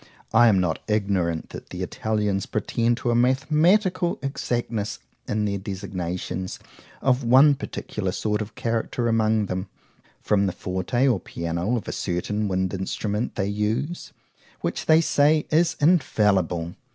I am not ignorant that the Italians pretend to a mathematical exactness in their designations of one particular sort of character among them, from the forte or piano of a certain wind instrument they use,—which they say is infallible.